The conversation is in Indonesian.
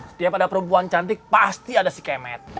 setiap ada perempuan cantik pasti ada si kemet